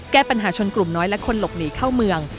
แก้ปัญหาชนกลุ่มน้อยและคนหลบหนีเข้าเมือง